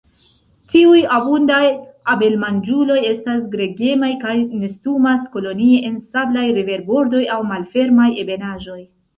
Tiuj abundaj abelmanĝuloj estas gregemaj, kaj nestumas kolonie en sablaj riverbordoj aŭ malfermaj ebenaĵoj.